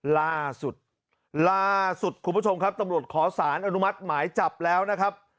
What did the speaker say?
ล่าสุดล่าสุดคุณผู้ชมครับตำรวจขอสารอนุมัติหมายจับแล้วนะครับ